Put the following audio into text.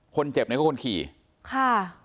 คนเจ็บเป็นคนขี่ค่ะ